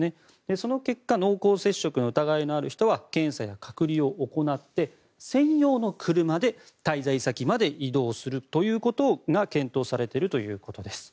その結果、濃厚接触の疑いのある人は検査隔離を行って専用の車で滞在先まで移動するということが検討されているということです。